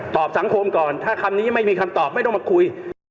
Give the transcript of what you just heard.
สังคมก่อนถ้าคำนี้ไม่มีคำตอบไม่ต้องมาคุย